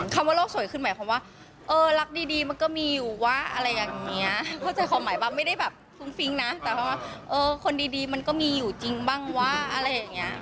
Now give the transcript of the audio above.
ว่าโลกสวยขึ้นหมายความว่าเออรักดีมันก็มีอยู่วะอะไรอย่างนี้เข้าใจความหมายบ้างไม่ได้แบบฟุ้งฟิ้งนะแต่ว่าคนดีมันก็มีอยู่จริงบ้างวะอะไรอย่างนี้